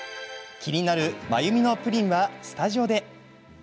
気になる真由美のプリンはスタジオで。